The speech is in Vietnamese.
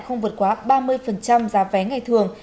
không vượt quá ba mươi giá vé ngày thường